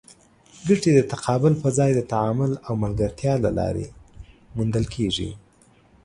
ګټې د تقابل پر ځای د تعامل او ملګرتیا له لارې موندل کېږي.